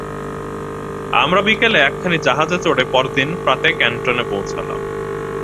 আমরা বিকেলে একখানি জাহাজে চড়ে পরদিন প্রাতে ক্যাণ্টনে পৌঁছলাম।